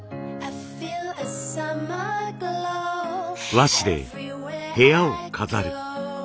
和紙で部屋を飾る。